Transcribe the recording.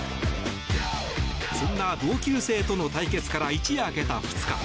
そんな同級生との対決から一夜明けた２日